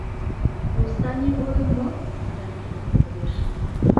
— Восстаний годым мо? — адак Кердин йодеш.